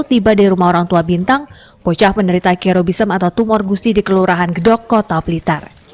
tiba di rumah orang tua bintang bocah penderita kerobisem atau tumor gusi di kelurahan gedok kota blitar